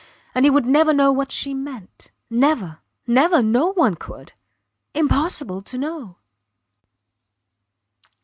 And he would never know what she meant. Never! Never! No one could. Impossible to know.